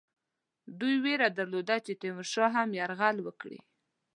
دوی وېره درلوده چې تیمورشاه هم یرغل وکړي.